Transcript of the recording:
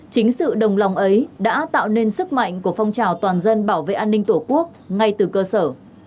chính sự đồng lòng ấy đã tạo nên sức mạnh của phong trào toàn dân bảo vệ an ninh tổ quốc ngay từ cơ sở